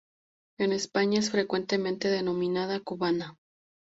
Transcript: En España es frecuentemente denominada "cubana".